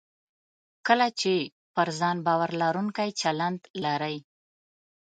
کله پر ځان باور لرونکی چلند لرئ